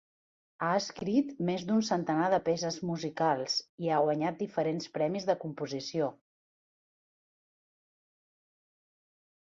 Ha escrit més d'un centenar de peces musicals i ha guanyat diferents premis de composició.